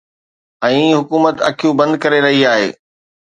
۽ حڪومت اکيون بند ڪري رهي آهي